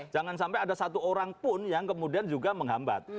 jangan sampai ada satu orang pun yang kemudian juga menghambat